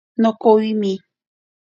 Nokowimi.